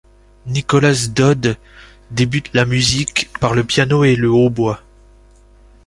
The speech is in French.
Nicholas Dodd débute la musique par le piano et le hautbois.